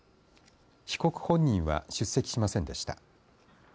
被告本人は出席しませんでした。